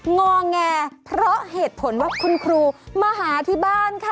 งอแงเพราะเหตุผลว่าคุณครูมาหาที่บ้านค่ะ